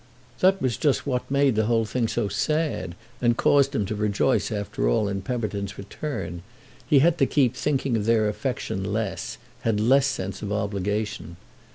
That was just what made the whole thing so sad and caused him to rejoice after all in Pemberton's return—he had to keep thinking of their affection less, had less sense of obligation.